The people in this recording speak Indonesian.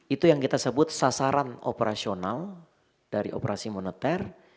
itu yang kita sebut sasaran operasional dari operasi moneter